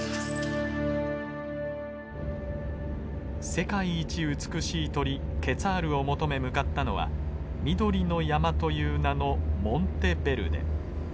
世界一美しい鳥ケツァールを求め向かったのは緑の山という名のモンテベルデ。